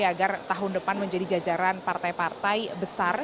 agar tahun depan menjadi jajaran partai partai besar